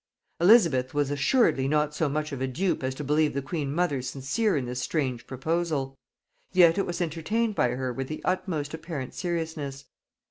Elizabeth was assuredly not so much of a dupe as to believe the queen mother sincere in this strange proposal; yet it was entertained by her with the utmost apparent seriousness.